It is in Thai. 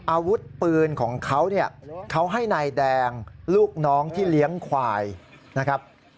อาวุธปืนของเขาเนี่ยเขาให้นายแดงลูกน้องที่เลี้ยงควายนะครับ